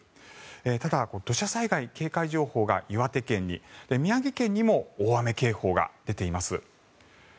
ただ、土砂災害警戒情報が岩手県に宮城県にも大雨警報が出ています。